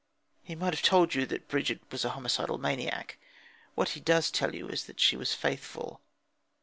He might have told you that Bridget was a homicidal maniac; what he does tell you is that she was faithful.